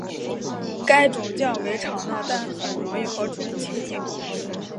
该种较为吵闹但很容易和主人亲近。